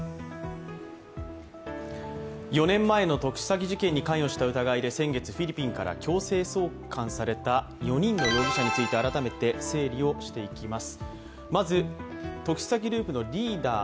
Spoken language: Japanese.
４年前の特殊詐欺事件に関与した疑いで先月、フィリピンから強制送還された４人の容疑者について改めて整理をしていきます。